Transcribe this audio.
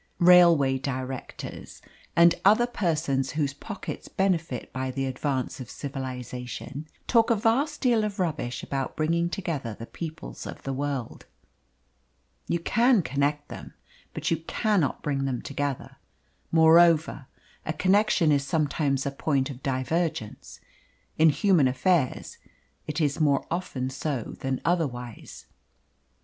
Railway directors, and other persons whose pockets benefit by the advance of civilisation, talk a vast deal of rubbish about bringing together the peoples of the world. You can connect them, but you cannot bring them together. Moreover, a connection is sometimes a point of divergence. In human affairs it is more often so than otherwise.